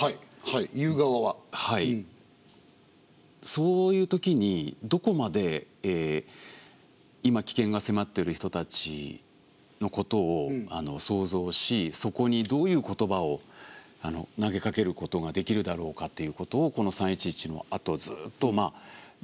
そういうときにどこまで今危険が迫っている人たちのことを想像しそこにどういう言葉を投げかけることができるだろうかということをこの３・１１のあとずっとやっていて。